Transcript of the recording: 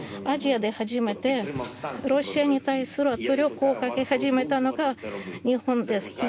アジアで初めて、ロシアに対する圧力をかけ始めたのが日本です。